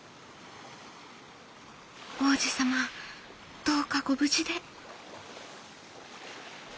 「王子様どうかご無事で」。